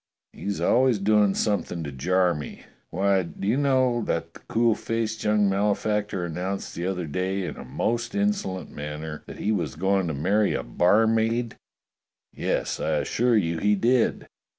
He's always doing something to jar me. Why, do you know, that the cool faced young malefactor announced the other day in the most insolent manner that he was going to marry a barmaid.^ Yes, I assure you he did.